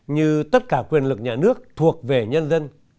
như tất cả quyền lực nhà nước thuộc về nhân dân